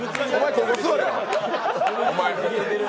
ここ座れ。